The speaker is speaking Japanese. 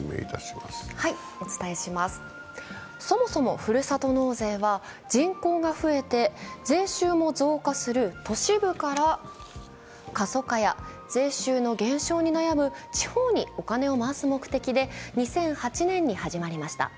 そもそもふるさと納税は人口が増えて税収も増加する都市部から過疎化や税収の減少に悩む地方にお金を回す目的で２００８年に始まりました。